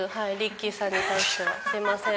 すいません